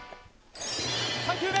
３球目。